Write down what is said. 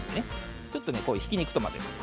ちょっとひき肉と混ぜます。